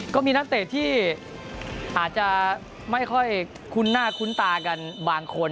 ก็มีนักเตะที่อาจจะไม่ค่อยคุ้นหน้าคุ้นตากันบางคน